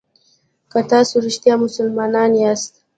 که تاسو رښتیا مسلمانان یاست.